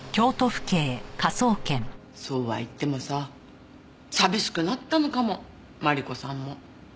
そうは言ってもさ寂しくなったのかもマリコさんも。